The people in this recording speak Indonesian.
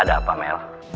ada apa mel